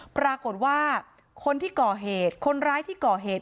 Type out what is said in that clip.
ปรากฏว่าคนที่ก่อเหตุคนร้ายที่ก่อเหตุ